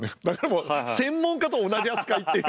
専門家と同じ扱いっていう。